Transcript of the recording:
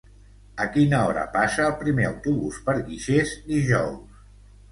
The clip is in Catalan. A quina hora passa el primer autobús per Guixers dijous?